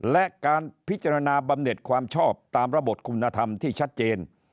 และการพิจารณาบำเน็ตความชอบตามระบบคุณธรรมที่ชัดเจน